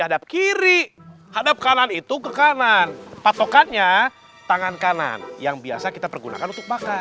hadap kanan itu ke kanan patokannya tangan kanan yang biasa kita pergunakan untuk makan